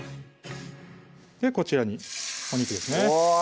こちらにお肉ですねわ！